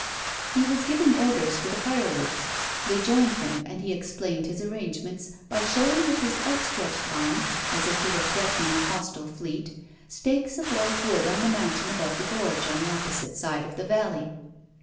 He was giving orders for the fireworks. They joined him, and he explained his arrangements by showing with his outstretched arm, as if he were threatening a hostile fleet, stakes of white wood on the mountain above the gorge, on the opposite side of the valley.